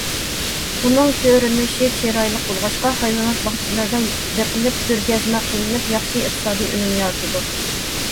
ئۇنىڭ كۆرۈنۈشى چىرايلىق بولغاچقا، ھايۋانات باغچىلىرىدا بېقىلىپ كۆرگەزمە قىلىنىپ ياخشى ئىقتىسادىي ئۈنۈم يارىتىدۇ.